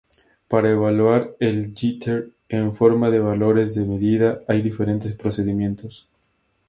Para evaluar el "jitter" en forma de valores de medida hay diferentes procedimientos.